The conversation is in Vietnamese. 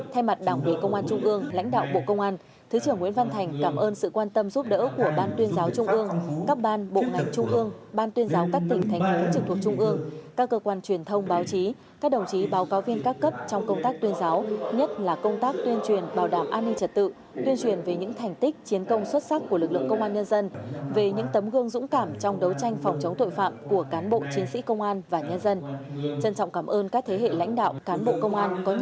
thay mặt đảng ủy công an trung ương lãnh đạo bộ công an thứ trưởng nguyễn văn thành cảm ơn sự quan tâm giúp đỡ của ban tuyên giáo trung ương các ban bộ ngành trung ương ban tuyên giáo các tỉnh thành phố trực thuộc trung ương các cơ quan truyền thông báo chí các đồng chí báo cáo viên các cấp trong công tác tuyên giáo nhất là công tác tuyên truyền bảo đảm an ninh trật tự tuyên truyền về những thành tích chiến công xuất sắc của lực lượng công an nhân dân về những tấm gương dũng cảm trong đấu tranh phòng chống tội phạm của cán bộ